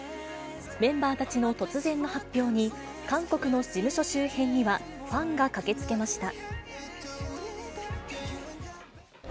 メンバーたちの突然の発表に、韓国の事務所周辺にはファンが駆けつけました。